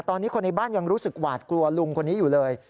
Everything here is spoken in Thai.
ตอนนี้คนในบ้านยังรู้สึกหวาดกลัวลุงคนนี้อยู่เลย